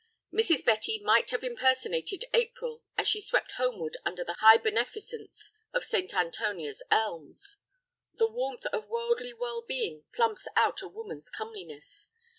Mrs. Betty might have impersonated April as she swept homeward under the high beneficence of St. Antonia's elms. The warmth of worldly well being plumps out a woman's comeliness.